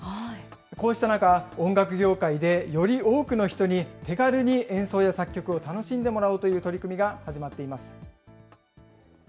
こうした中、音楽業界でより多くの人に手軽に演奏や作曲を楽しんでもらおうという取り組みが始まっています。